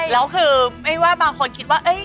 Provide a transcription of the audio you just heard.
แล้วคือไม่ว่าบางคนคิดว่า